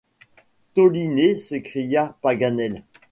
Toliné! s’écria Paganel.